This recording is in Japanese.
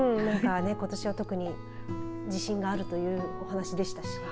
ことしは特に自信があるというお話でしたし。